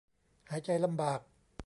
หายใจลำบาก